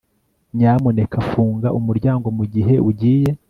Nyamuneka funga umuryango mugihe ugiye